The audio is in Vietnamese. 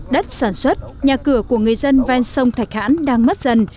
đất sản xuất nhà cửa của người dân ven sông thạch hãn đang mất dần